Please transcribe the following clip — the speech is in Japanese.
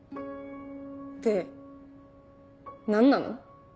で何なの？